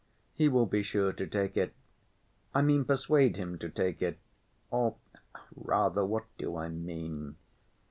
He will be sure to take it.... I mean, persuade him to take it.... Or, rather, what do I mean?